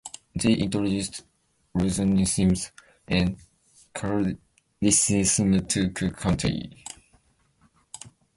They introduced Lutheranism and Catholicism to Cook County.